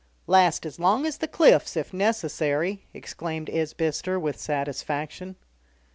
"Last as long as the cliffs, if necessary," exclaimed Isbister with satisfaction.